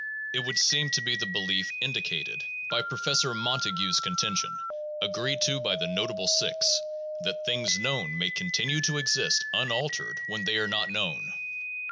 It would seem to be the 365 366 THE JOURNAL OF PHILOSOPHY belief indicated by Professor Montague's contention, agreed to by the notable Six, "that things known may continue to exist unaltered when they are not known."